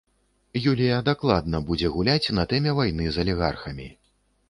Юлія дакладна будзе гуляць на тэме вайны з алігархамі.